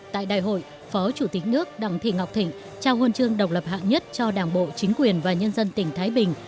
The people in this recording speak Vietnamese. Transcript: tại đại hội phó chủ tịch nước đặng thị ngọc thịnh trao huân chương độc lập hạng nhất cho đảng bộ chính quyền và nhân dân tỉnh thái bình